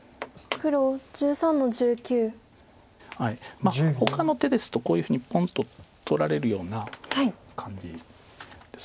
まあほかの手ですとこういうふうにポンと取られるような感じです。